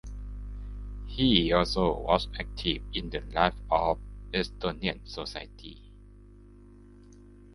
He also was active in the life of Estonian society.